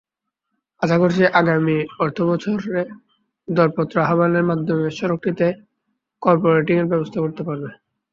আশা করছি আগামী অর্থবছরে দরপত্র আহ্বানের মাধ্যমে সড়কটিতে কার্পেটিংয়ের ব্যবস্থা করতে পারব।